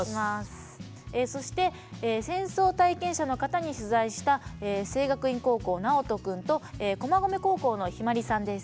そして戦争体験者の方に取材した聖学院高校なおとくんと駒込高校のひまりさんです。